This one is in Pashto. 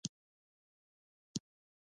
مصنوعي ځیرکتیا د انساني مسؤلیت یادونه کوي.